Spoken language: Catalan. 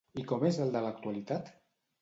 I com és el de l'actualitat?